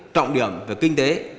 trọng điểm về kinh tế